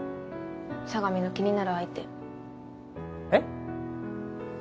佐神の気になる相手えっ？